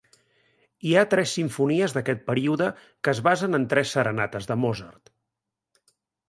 Hi ha tres simfonies d'aquest període que es basen en tres serenates de Mozart.